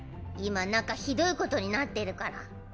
今中ひどいことになってるから。